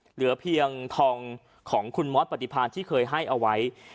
เหลือเพียงทองของคุณมอสปฏิพาณที่เคยให้เอาไว้